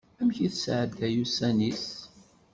Amek i tesɛedday ussan-is?